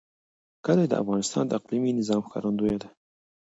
کلي د افغانستان د اقلیمي نظام ښکارندوی ده.